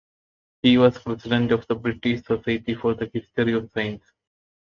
He was President of the British Society for the History of Science.